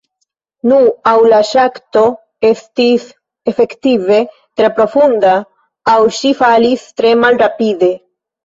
Nu, aŭ la ŝakto estis efektive tre profunda, aŭ ŝi falis tre malrapide.